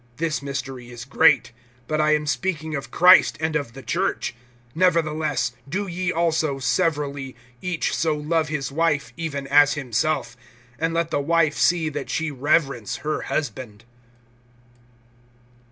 (32)This mystery is great; but I am speaking of Christ and of the church. (33)Nevertheless, do ye also, severally, each so love his wife even as himself; and let the wife see that she reverence her husband.